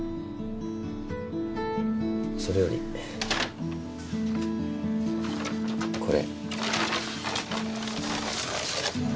それよりこれ。